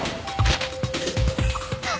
あっ！